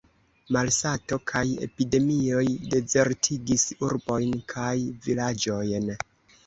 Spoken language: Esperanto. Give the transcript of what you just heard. Malsato kaj epidemioj dezertigis urbojn kaj vilaĝojn.